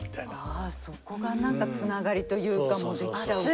ああそこが何かつながりというかもう出来ちゃうと。